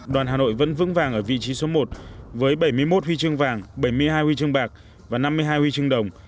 đoàn hà nội vẫn vững vàng ở vị trí số một với bảy mươi một huy chương vàng bảy mươi hai huy chương bạc và năm mươi hai huy chương đồng